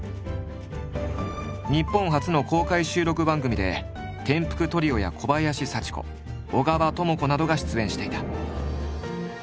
日本初の公開収録番組でてんぷくトリオや小林幸子小川知子などが出演していた。